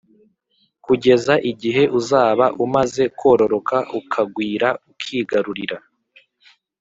Kugeza Igihe Uzaba Umaze Kororoka Ukagwira Ukigarurira